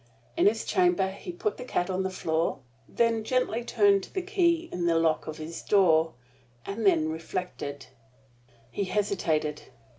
In his chamber, he put the cat on the floor, then gently turned the key in the lock of his door, and then reflected. He hesitated.